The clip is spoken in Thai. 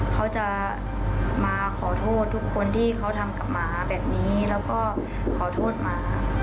เขาจะมาขอโทษทุกคนที่เขาทำกับหมาแบบนี้แล้วก็ขอโทษหมา